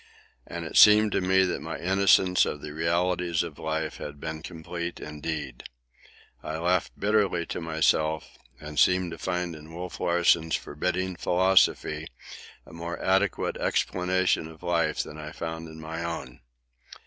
And it seemed to me that my innocence of the realities of life had been complete indeed. I laughed bitterly to myself, and seemed to find in Wolf Larsen's forbidding philosophy a more adequate explanation of life than I found in my own.